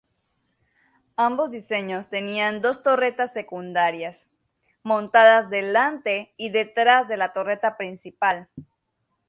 Ambos diseños tenían dos torretas secundarias, montadas delante y detrás de la torreta principal.